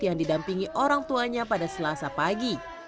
yang didampingi orang tuanya pada selasa pagi